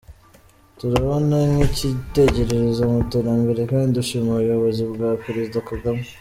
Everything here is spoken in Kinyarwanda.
Turubona nk’icyitegererezo mu iterambere kandi dushima ubuyobozi bwa Perezida Kagame.